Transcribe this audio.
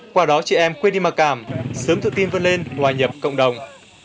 qua đó chị em quên đi mặc cảm sớm thượng tin vươn lên ngoài nhập cộng đồng